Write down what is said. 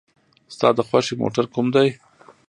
ستا د خوښې موټر کوم دی؟